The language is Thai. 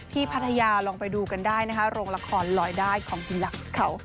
พัทยาลองไปดูกันได้นะคะโรงละครลอยได้ของกิลักษ์เขา